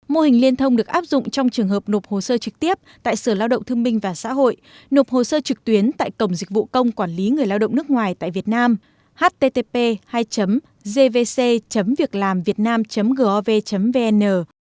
mô hình liên thông được áp dụng trong trường hợp nộp hồ sơ trực tiếp tại sở lao động thương minh và xã hội nộp hồ sơ trực tuyến tại cổng dịch vụ công quản lý người lao động nước ngoài tại việt nam http hai gvc việclamvietnam gov vn